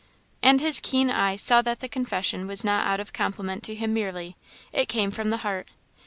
And his keen eye saw that the confession was not out of compliment to him merely; it came from the heart.